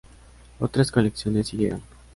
Otras colecciones siguieron.